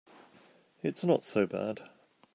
It's not so bad.